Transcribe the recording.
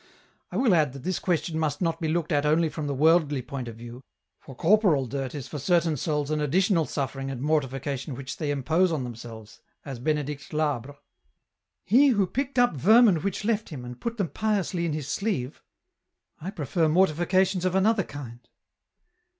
I will add that this question must not be looked at only from the worldly point of view, for corporal dirt is for certain souls an additional suffering and mortification which they impose on themselves, as Benedict Labre." EN ROUTE. 99 " He who picked up vermin which left him, and put them piously in his sleeve. I prefer mortifications of another kind."